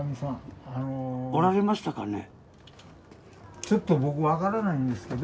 おられましたかね？